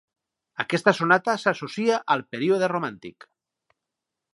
Aquesta sonata s'associa al període romàntic.